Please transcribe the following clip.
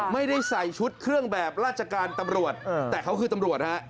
ไม่ได้ใส่ชุดเครื่องแบบราชการตำรวจแต่เขาคือตำรวจฮะ